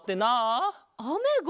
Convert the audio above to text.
あめが？